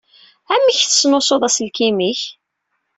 Amek tesnusuḍ aselkim-ik?